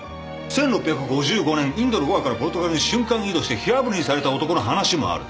１６５５年インドのゴアからポルトガルに瞬間移動して火あぶりにされた男の話もある。